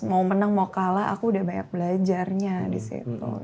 mau menang mau kalah aku udah banyak belajarnya di situ